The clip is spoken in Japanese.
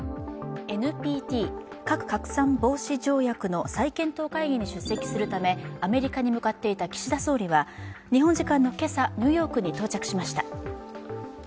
ＮＰＴ＝核拡散防止条約の再検討会議に出席するため、アメリカに向かっていた岸田総理は日本時間の今朝、ニューヨークに到着しました。